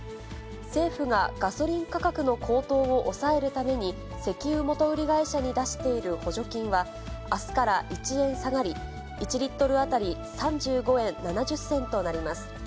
政府がガソリン価格の高騰を抑えるために、石油元売り会社に出している補助金は、あすから１円下がり、１リットル当たり３５円７０銭となります。